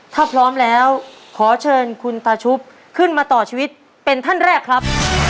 ถ้าพร้อมแล้วขอเชิญคุณตาชุบขึ้นมาต่อชีวิตเป็นท่านแรกครับ